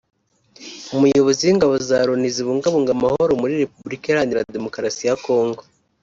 umuyobozi w’ingabo za Loni zibungabunga amahoro muir Repubulika Iharanira Demokarasi ya Congo